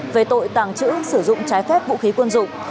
về tội tàng trữ sử dụng trái phép vũ khí quân dụng